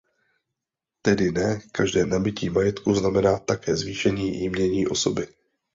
Tedy ne každé nabytí majetku znamená také zvýšení jmění osoby.